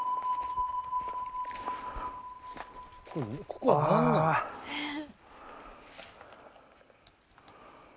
ここはなんなん？